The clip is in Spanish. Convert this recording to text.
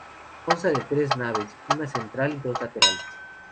Consta de tres naves, una central y dos laterales.